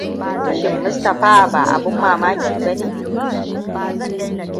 Shin Mustapha ba abin mamaki bane?